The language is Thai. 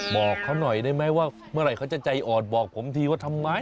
บอกเขาหน่อยได้ไหมว่าเมื่อไหร่เขาจะใจอ่อนบอกผมทีว่าทำไม